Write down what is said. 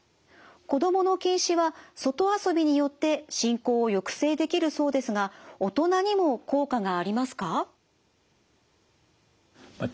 子どもの近視は外遊びによって進行を抑制できるそうですが大人にも効果がありますか？